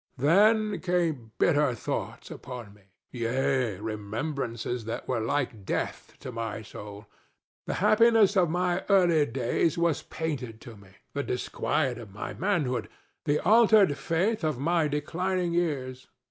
Then came bitter thoughts upon me—yea, remembrances that were like death to my soul. The happiness of my early days was painted to me, the disquiet of my manhood, the altered faith of my declining years.